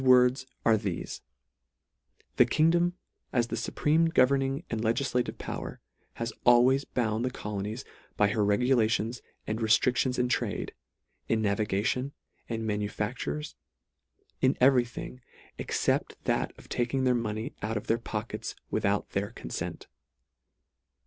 words are thefe —" This kingdom, as the fupreme governing and legiflative power, has always bound the colonies by her regu lations and reftri&ions in trade, in navigati on, in manufactures in every thing, ex cept that of taking their money out of their pockets, WITHOUT THEIR CONSENT."